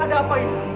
ada apa ini